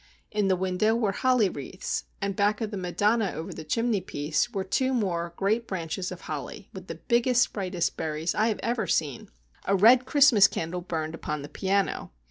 In the window were holly wreaths, and back of the Madonna over the chimney piece were two more great branches of holly with the biggest, brightest berries I have ever seen. A red Christmas candle burned upon the piano.